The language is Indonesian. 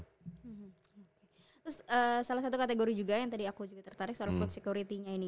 terus salah satu kategori juga yang tadi aku juga tertarik seorang food security nya ini